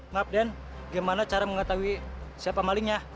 maaf den gimana cara mengetahui siapa malingnya